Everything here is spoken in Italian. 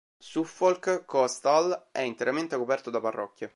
Suffolk Coastal è interamente coperto da parrocchie.